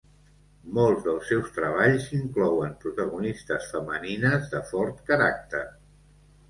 Molts dels seus treballs inclouen protagonistes femenines de fort caràcter.